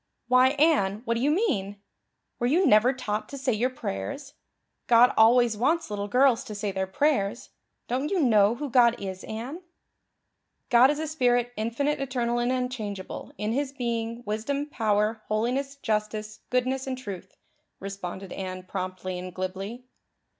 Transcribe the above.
"Why, Anne, what do you mean? Were you never taught to say your prayers? God always wants little girls to say their prayers. Don't you know who God is, Anne?" "'God is a spirit, infinite, eternal and unchangeable, in His being, wisdom, power, holiness, justice, goodness, and truth,'" responded Anne promptly and glibly.